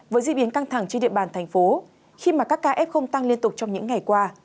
với diễn biến căng thẳng trên địa bàn thành phố khi mà các ca f tăng liên tục trong những ngày qua